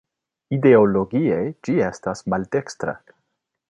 Ideologie ĝi estas maldekstra.